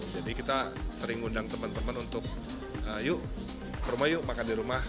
jadi kita sering undang teman teman untuk yuk ke rumah yuk makan di rumah